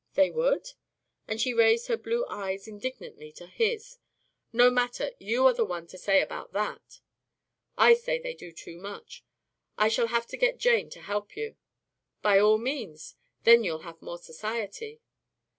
"They would?" and she raised her blue eyes indignantly to his. "No matter, you are the one to say about that." "I say they do too much. I shall have to get Jane to help you." "By all means! Then you'll have more society."